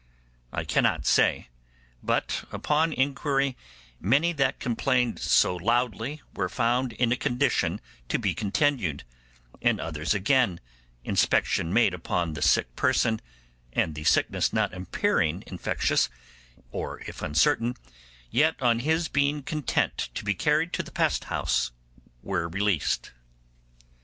I cannot say; but upon inquiry many that complained so loudly were found in a condition to be continued; and others again, inspection being made upon the sick person, and the sickness not appearing infectious, or if uncertain, yet on his being content to be carried to the pest house, were released.